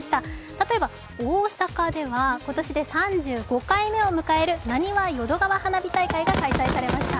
例えば大阪では今年で３５回目を迎えるなにわ淀川花火大会が開催されました。